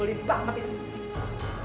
seribu banget itu